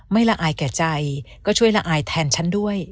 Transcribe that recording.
ละอายแก่ใจก็ช่วยละอายแทนฉันด้วย